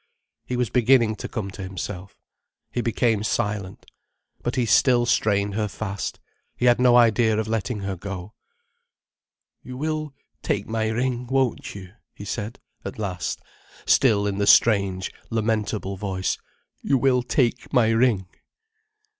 He was beginning to come to himself. He became silent. But he still strained her fast, he had no idea of letting her go. "You will take my ring, won't you?" he said at last, still in the strange, lamentable voice. "You will take my ring."